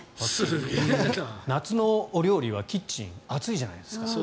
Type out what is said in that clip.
夏のお料理はキッチン、暑いじゃないですか。